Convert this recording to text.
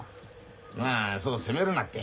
まあそう責めるなって。